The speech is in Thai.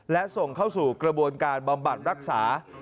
และส่งเข้าสู่กระบวนการบำบัดรักษา